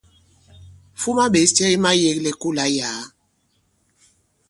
Fuma ɓěs cɛ ki mayēglɛ i kolà i yàa.